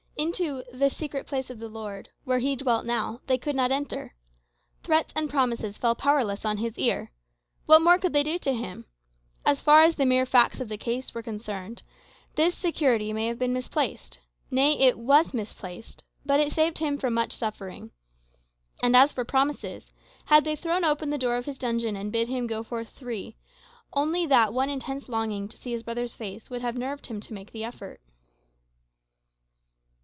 Into "the secret place of the Lord," where he dwelt now, they could not enter. Threats and promises fell powerless on his ear. What more could they do to him? As far as the mere facts of the case were concerned, this security may have been misplaced nay, it was misplaced; but it saved him from much suffering. And as for promises, had they thrown open the door of his dungeon and bid him go forth free, only that one intense longing to see his brother's face would have nerved him to make the effort.